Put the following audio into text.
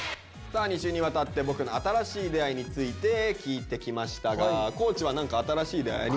さあ２週にわたって「僕の新しい出会い」について聞いてきましたが地は何か新しい出会いありました？